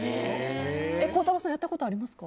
孝太郎さんやったことありますか。